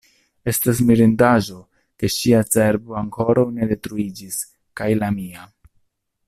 Estas mirindaĵo, ke ŝia cerbo ankoraŭ ne detruiĝis kaj la mia.